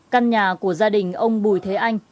căn nhà của gia đình ông bùi thế anh